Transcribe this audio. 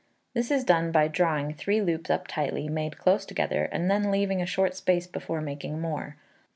This is done by drawing three loops up tightly, made close together, and then leaving a short space before making more.